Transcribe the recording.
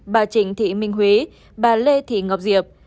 bà trịnh thị minh huế bà lê thị ngọc diệp